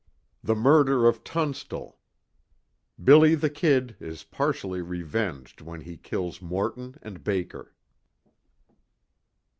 THE MURDER OF TUNSTALL. "BILLY THE KID" IS PARTIALLY REVENGED WHEN HE KILLS MORTON AND BAKER.